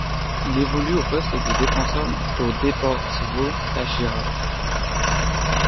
Il évolue au poste de défenseur au Deportivo Táchira.